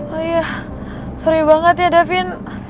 oh iya sorry banget ya davin